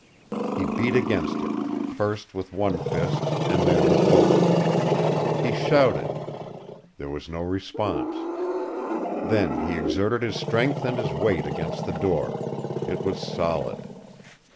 He beat against it, first with one fist and then with both. He shouted. There was no response. Then he exerted his strength and his weight against the door. It was solid.